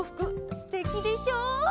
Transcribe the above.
すてきでしょう？